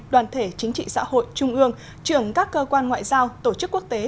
đoàn thể chính trị xã hội trung ương trưởng các cơ quan ngoại giao tổ chức quốc tế